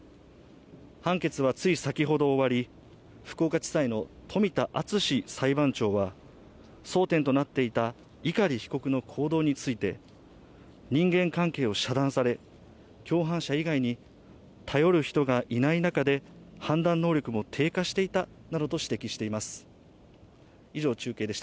判決はつい先ほど終わり、福岡地裁の冨田敦史裁判長は争点となっていた碇被告の行動について人間関係を遮断され、共犯者以外に頼る人がいない中で判断能力も低下していたなどと指摘しています。